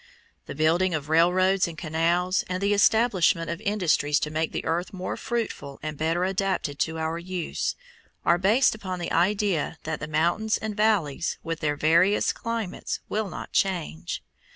The building of railroads and canals, and the establishment of industries to make the earth more fruitful and better adapted to our use, are based upon the idea that the mountains and valleys with their various, climates will not change.